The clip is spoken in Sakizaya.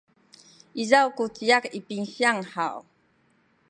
izaw ku ciyak i pinsiyang haw?